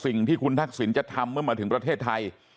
สิ่งที่คุณทักษิณจะทำเมื่อมาถึงประเทศไทย